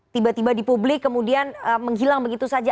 tiba tiba di publik kemudian menghilang begitu saja